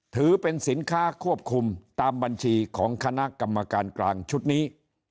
ถือเป็นสินค้าควบคุมตามบัญชีของคณะกรรมการกลางชุดนี้